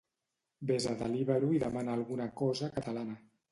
Ves a Deliveroo i demana alguna cosa catalana